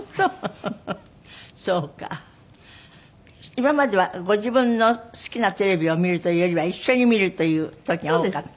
今まではご自分の好きなテレビを見るというよりは一緒に見るという時が多かった？